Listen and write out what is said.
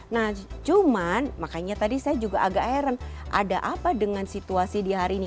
nah cuman makanya tadi saya juga agak heran ada apa dengan situasi di hari ini